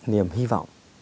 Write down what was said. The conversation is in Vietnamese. niềm hy vọng